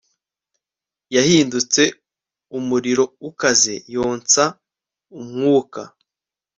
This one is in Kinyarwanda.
yahindutse umuriro ukaze yonsa umwuka